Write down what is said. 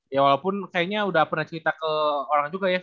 ya walaupun kayaknya udah pernah cerita ke orang juga ya